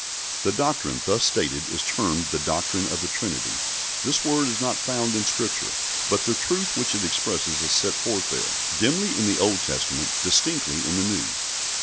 The doctrine thus stated is termed the doctrine of the Trinity. This word is not found in Scripture, but the truth which it expresses is set forth there, dimly in the Old Testament, distinctly in the New.